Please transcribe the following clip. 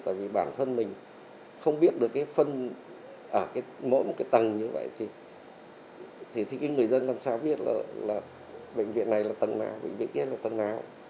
tại vì bản thân mình không biết được mỗi một cái tầng như vậy thì người dân làm sao biết là bệnh viện này là tầng nào bệnh viện kia là tầng nào